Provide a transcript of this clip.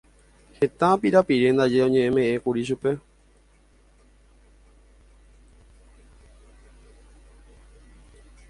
Heta pirapire ndaje oñeme'ẽkuri chupe.